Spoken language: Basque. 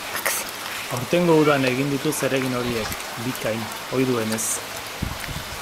Aurtengo udan egin ditu zeregin horiek, bikain, ohi duenez.